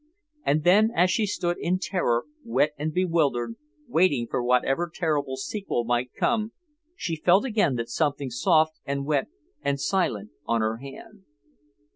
And then, as she stood in terror, wet and bewildered, waiting for whatever terrible sequel might come, she felt again that something soft and wet and silent on her hand.